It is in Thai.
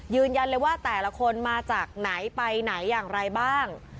ยืนยันเลยว่าแต่ละคนมาจากไหนไปไหนอย่างไรบ้าง